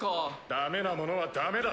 ダメなものはダメだ。